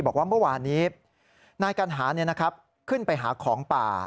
บอกว่าเมื่อวานนี้นายกัณหาขึ้นไปหาของป่า